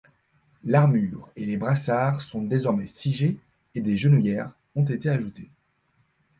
L'armure et les brassards sont désormais figés et des genouillères ont été ajoutées.